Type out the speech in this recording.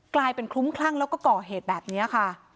กลายเป็นคลุ้มคลั่งแล้วก็ก่อเหตุแบบนี้ค่ะ